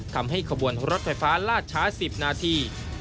ขบวนรถไฟฟ้าลาดช้า๑๐นาที